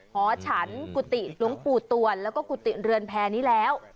หอฉันกุฏิหลวงปู่ตวนแล้วก็กุฏิเรือนแพรนี้แล้ว